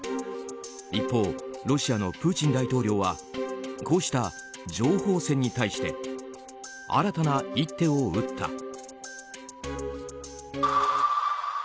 一方、ロシアのプーチン大統領はこうした情報戦に対して新たな一手を打った。